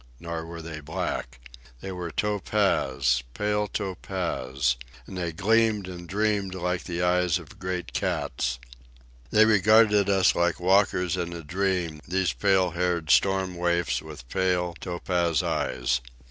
Nor were they black. They were topaz, pale topaz; and they gleamed and dreamed like the eyes of great cats. They regarded us like walkers in a dream, these pale haired storm waifs with pale, topaz eyes.